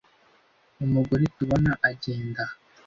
umugore tubona agenda aha